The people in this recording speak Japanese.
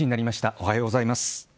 おはようございます。